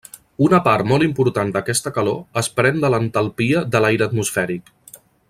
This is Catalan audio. Una part molt important d'aquesta calor es pren de l'entalpia de l'aire atmosfèric.